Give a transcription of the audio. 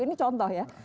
ini contoh ya